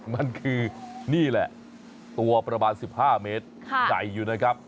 มันคือนี่แหละตัวประมาณ๑๕เมตรใหญ่อยู่นะครับ